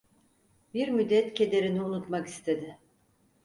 Bir müddet kederini unutmak istedi.